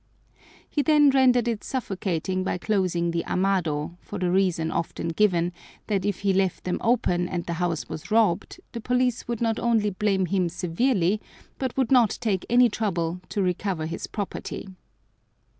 He then rendered it suffocating by closing the amado, for the reason often given, that if he left them open and the house was robbed, the police would not only blame him severely, but would not take any trouble to recover his property.